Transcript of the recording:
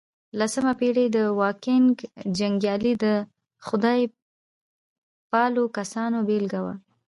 لسمه پېړۍ واکینګ جنګيالي د خدای پالو کسانو بېلګه وه.